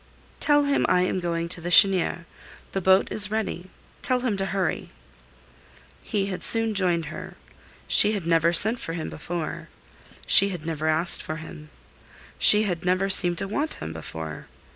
"Tell him I am going to the Chênière. The boat is ready; tell him to hurry." He had soon joined her. She had never sent for him before. She had never asked for him. She had never seemed to want him before.